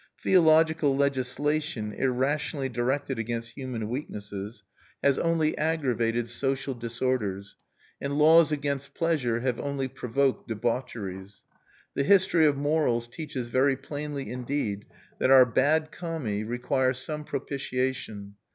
Theological legislation, irrationally directed against human weaknesses, has only aggravated social disorders; and laws against pleasure have only provoked debaucheries. The history of morals teaches very plainly indeed that our bad Kami require some propitiation.